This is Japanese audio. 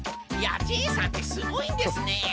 いやジェイさんってすごいんですね。